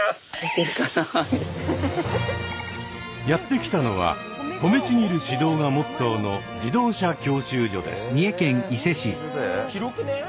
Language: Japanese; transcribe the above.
やって来たのはほめちぎる指導がモットーの自動車教習所です。